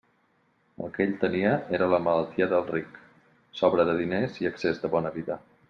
El que ell tenia era la malaltia del ric: sobra de diners i excés de bona vida.